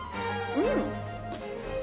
うん！